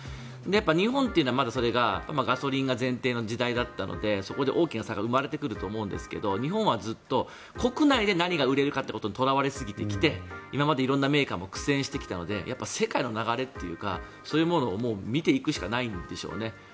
日本というのはまだそれがガソリンが前提の時代だったのでそこで大きな差が生まれてくると思うんですが日本はずっと国内で何が売れるかということにとらわれすぎてきて今まで色んなメーカーも苦戦してきたのでやっぱり世界の流れというかそういうものを見ていくしかないんでしょうね。